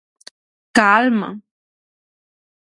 ¡Calma!